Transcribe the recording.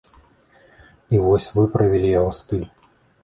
І вось выправілі яго стыль.